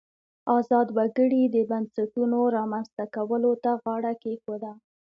ازاد وګړي د بنسټونو رامنځته کولو ته غاړه کېښوده.